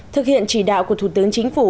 thực hiện chỉ đạo của thủ tướng chính phủ